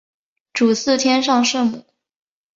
主祀天上圣母。